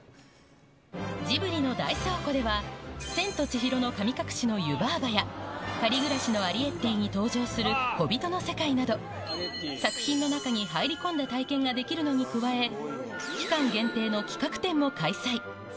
ジブリの大倉庫では、千と千尋の神隠しの湯婆婆や、借りぐらしのアリエッティに登場する小人の世界など、作品の中に入り込んだ体験ができるのに加えて、期間限定の企画展も開催。